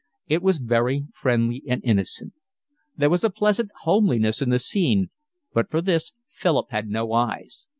It was very friendly and innocent. There was a pleasant homeliness in the scene, but for this Philip had no eyes.